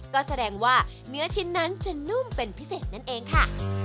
ก็แสดงว่าเนื้อชิ้นนั้นจะนุ่มเป็นพิเศษนั่นเองค่ะ